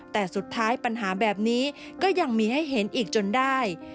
แต่สุดท้ายปัญหาแบบนี้ก็ยังมีให้เห็นอีกจนได้